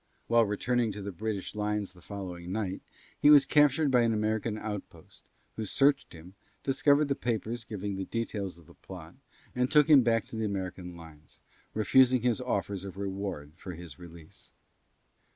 While returning to the British lines the following night, he was captured by an American outpost, who searched him, discovered the papers giving the details of the plot, and took him back to the American lines, refusing his offers of reward for his release.